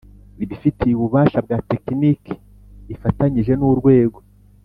ibifitiye ububasha bwa tekiniki ifatanyije n’urwego